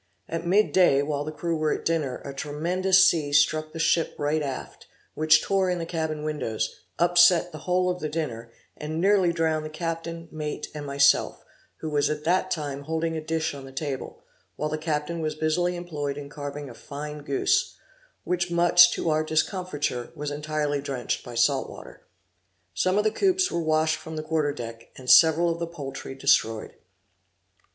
At mid day, while the crew were at dinner, a tremendous sea struck the ship right aft, which tore in the cabin windows, upset the whole of the dinner, and nearly drowned the captain, mate, and myself, who was at that time holding a dish on the table, while the captain was busily employed in carving a fine goose, which, much to our discomfiture, was entirely drenched by the salt water. Some of the coops were washed from the quarter deck, and several of the poultry destroyed.